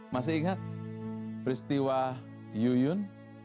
masih ingat peristiwa yuyun